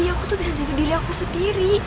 aku tuh bisa jaga diri aku sendiri